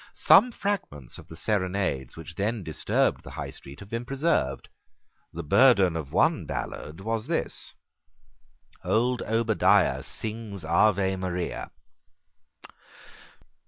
Some fragments of the serenades which then disturbed the High Street have been preserved. The burden of one ballad was this: "Old Obadiah Sings Ave Maria."